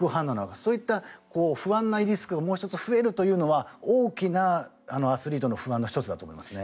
そういった不安なリスクがもう１つ増えるというのは大きなアスリートの不安の１つだと思いますね。